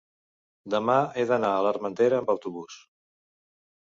demà he d'anar a l'Armentera amb autobús.